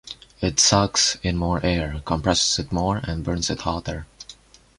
It sucks in more air, compresses it more, and burns it hotter.